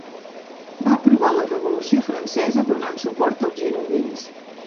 Va aprovar la Revolució francesa, donant suport als girondins.